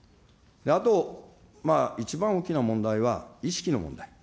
あと、一番大きな問題は意識の問題。